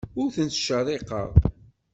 Ur ten-ttcerriqeɣ.